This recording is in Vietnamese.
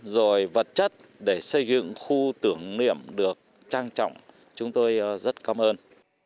rồi vật chất để xây dựng khu tưởng niệm được trang trọng chúng tôi rất cảm ơn